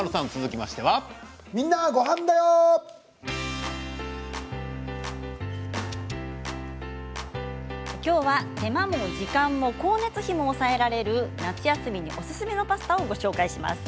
きょうは手間も時間も光熱費も抑えられる夏休みにおすすめのパスタをご紹介します。